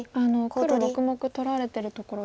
黒６目取られてるところ